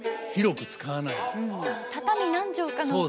畳何畳かの中で。